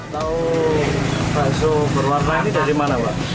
tahu bakso berwarna ini dari mana pak